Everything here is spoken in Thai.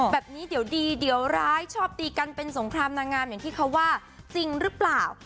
แบบนี้เดี๋ยวดีเดี๋ยวร้ายชอบตีกันเป็นสงครามนางงามอย่างที่เขาว่าจริงหรือเปล่า